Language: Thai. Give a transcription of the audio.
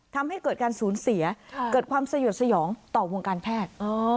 ทำให้เกิดการสูญเสียเกิดความสยดสยองต่อวงการแพทย์